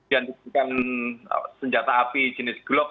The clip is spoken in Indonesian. yang diberikan senjata api jenis glock